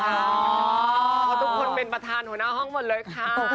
เพราะทุกคนเป็นประธานหัวหน้าห้องหมดเลยค่ะ